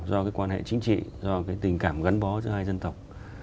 do cái quan hệ chính trị do cái tình cảm gắn bó giữa hai dân tộc